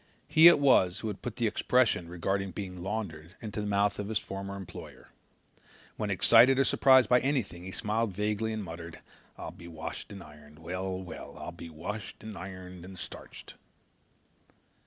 He it was who had put the expression regarding being "laundered" into the mouth of his former employer. When excited or surprised by anything he smiled vaguely and muttered: "I'll be washed and ironed. Well, well, I'll be washed and ironed and starched."